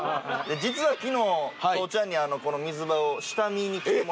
実は昨日父ちゃんにこの水場を。